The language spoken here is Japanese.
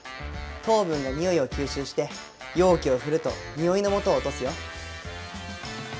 糖分がにおいを吸収して容器を振るとにおいのもとを落とすよ。